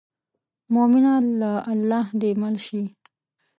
مومنه له الله دې مل شي.